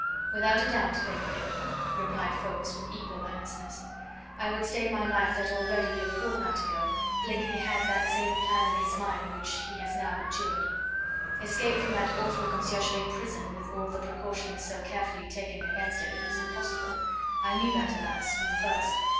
"Without a doubt, Lady Blakeney," replied Ffoulkes with equal earnestness. "I would stake my life that already a fortnight ago Blakeney had that same plan in his mind which he has now matured. Escape from that awful Conciergerie prison with all the precautions so carefully taken against it was impossible. I knew that alas! from the first.